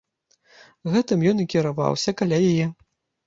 Гэтым ён і кіраваўся каля яе.